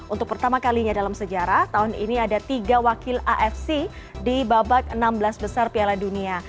untuk pertama kalinya dalam sejarah tahun ini ada tiga wakil afc di babak enam belas besar piala dunia